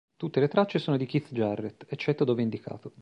Tutte le tracce sono di Keith Jarrett, eccetto dove indicato.